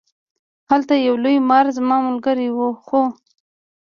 هلته یو لوی مار زما ملګری و خوړ.